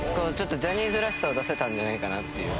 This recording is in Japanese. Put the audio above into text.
ジャニーズらしさを出せたんじゃないかなっていう。